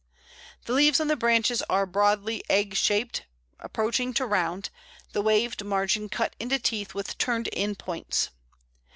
The leaves on the branches are broadly egg shaped, approaching to round, the waved margin cut into teeth with turned in points.